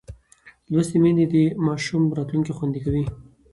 لوستې میندې د ماشوم راتلونکی خوندي کوي.